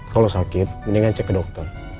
kalau sakit mendingan cek ke dokter